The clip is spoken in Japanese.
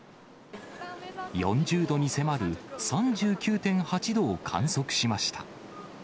４０度に迫る３９．８度を観測しました。